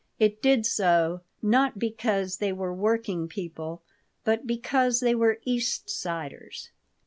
It did so, not because they were working people, but because they were East Siders.